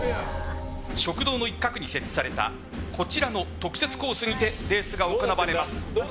食堂の一角に設置されたこちらの特設コースにてレースが行われます。